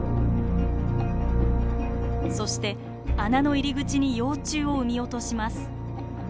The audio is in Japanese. そして穴の入り口に幼虫を産み落とします。